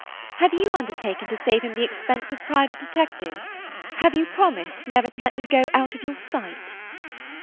"Have you undertaken to save him the expense of private detectives? Have you promised never to let me go out of your sight?"